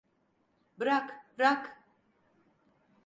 Bırak, bırak!